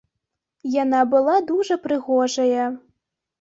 Яна была дужа прыгожая.